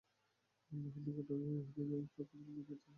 আল্লাহর নিকট তিনি ঐ সবকিছুর পুণ্যের প্রত্যাশা করলেন।